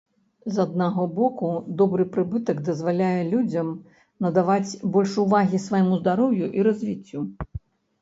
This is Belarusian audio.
З аднаго боку, добры прыбытак дазваляе людзям надаваць больш увагі свайму здароўю і развіццю.